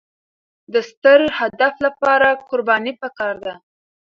د ستر هدف لپاره قرباني پکار ده.